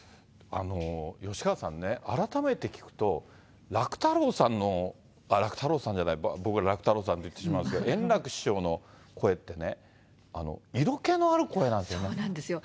吉川さんね、改めて聞くと、楽太郎さんの、あっ、楽太郎さんじゃない、僕は楽太郎さんって言ってしまいますけど、円楽師匠の声ってね、そうなんですよ。